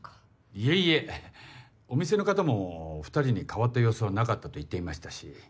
いえいえお店の方も２人に変わった様子はなかったと言っていましたし。